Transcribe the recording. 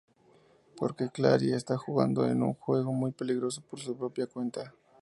Porque Clary está jugando a un juego muy peligroso por su propia cuenta.